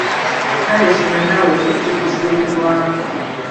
Kale kino naawe kye kikusuubirwamu.